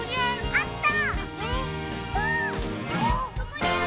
あった！